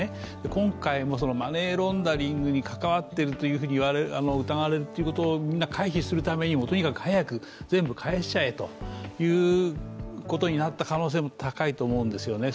今回もマネーロンダリングに関わっていると疑われることに回避するためにも、とにかく早く全部返しちゃえということになった可能性も高いと思うんですよね。